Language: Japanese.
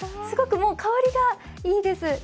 すごくもう香りがいいです。